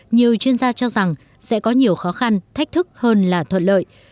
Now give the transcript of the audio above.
nhiều chuyên gia cho rằng sẽ có nhiều khó khăn thách thức hơn là thuận lợi